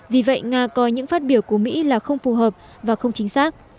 vì vậy nga coi những phát biểu của mỹ là không phù hợp và không chính xác